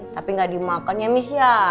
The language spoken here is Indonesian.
tapi gak dimakan ya miss ya